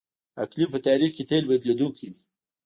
اقلیم په تاریخ کې تل بدلیدونکی دی.